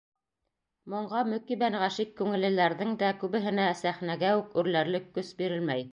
Моңға мөкиббән ғашиҡ күңеллеләрҙең дә күбеһенә сәхнәгә үк үрләрлек көс бирелмәй.